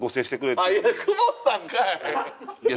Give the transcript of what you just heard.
久保田さんかい！